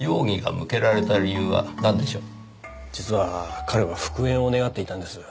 実は彼は復縁を願っていたんです。